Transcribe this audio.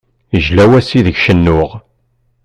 Yejla wass ideg cennuɣ.